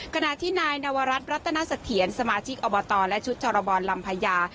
ขณะที่นายนวรัฐรัตนสะเทียนสมาชิกอบตและชุดชรบรลำพญา